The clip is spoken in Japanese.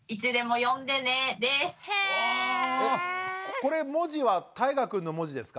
これ文字はたいがくんの文字ですか？